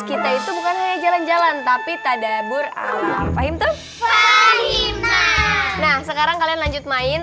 kita itu bukan hanya jalan jalan tapi tadabur alam fahim tuh nah sekarang kalian lanjut main